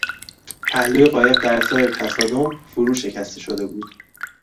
پهلوی قایق در اثر تصادم فرو شکسته شده بود.